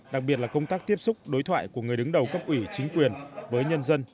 đặc biệt là công tác tiếp xúc đối thoại của người đứng đầu cấp ủy chính quyền với nhân dân